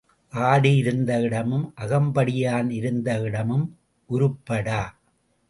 ஆடு இருந்த இடமும் அகம்படியான் இருந்த இடமும் உருப்படா.